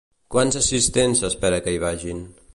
Quants assistents s'espera que hi vagin?